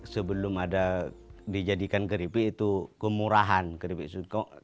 sebelum ada dijadikan kripik itu kemurahan kripik singkong